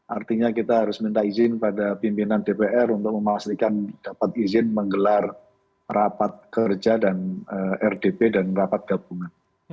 artinya kita harus minta izin pada pimpinan dpr untuk memastikan dapat izin menggelar rapat kerja dan rdp dan rapat gabungan